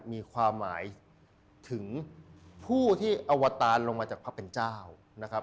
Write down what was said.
มีความหมายถึงผู้ที่อวตารลงมาจากพระเป็นเจ้านะครับ